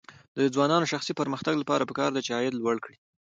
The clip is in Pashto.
د ځوانانو د شخصي پرمختګ لپاره پکار ده چې عاید لوړ کړي.